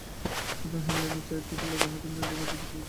সুতরাং হেমনলিনীর চায়ের টেবিলে তাহাকেও মাঝে মাঝে দেখা যাইত।